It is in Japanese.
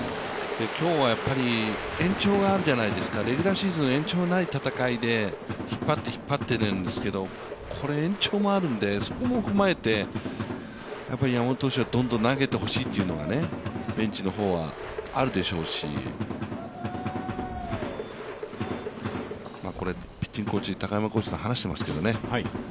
今日はやっぱり延長があるじゃないですか、レギュラーシーズンは延長がない戦いで引っ張って引っ張ってるんですけれども、これ、延長もあるんで、そこも踏まえて山本投手がどんどん投げてほしいというのがベンチの方はあるでしょうしピッチングコーチ、高山コーチと話していますけどね